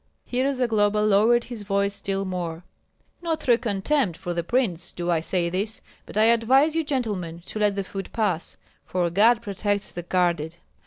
Here Zagloba lowered his voice still more: "Not through contempt for the prince do I say this, but I advise you, gentlemen, to let the food pass, for God protects the guarded."